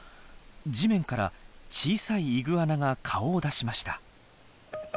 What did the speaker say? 地面から小さいイグアナが顔を出しました。